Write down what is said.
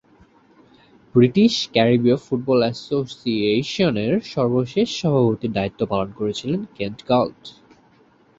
British ক্যারিবীয় football অ্যাসোসিয়েশনের সর্বশেষ সভাপতির দায়িত্ব পালন করেছিলেন কেন্ট গাল্ট।